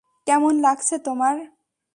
কেমন লাগছে তোমার?